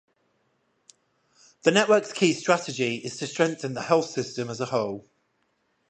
The Network's key strategy is to strengthen the health system as a whole.